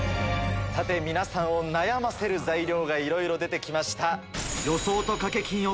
さて皆さんを悩ませる材料がいろいろ出て来ました。